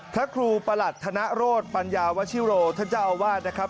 ท่าครูประหลัดธนโรศปัญญาวชิโรท่าเจ้าว่านะครับ